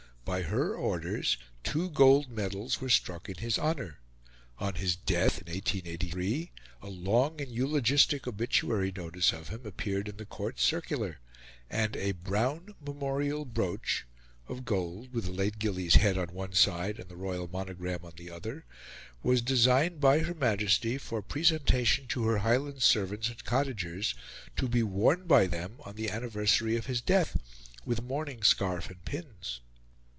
By her orders two gold medals were struck in his honour; on his death, in 1883, a long and eulogistic obituary notice of him appeared in the Court Circular; and a Brown memorial brooch of gold, with the late gillie's head on one side and the royal monogram on the other was designed by Her Majesty for presentation to her Highland servants and cottagers, to be worn by them on the anniversary of his death, with a mourning scarf and pins.